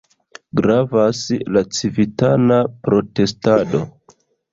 Gravas la civitana protestado.